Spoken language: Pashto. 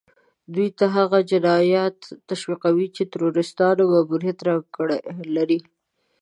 دوی هغه جنايات تشويقوي چې د تروريستانو ماموريت رنګ لري.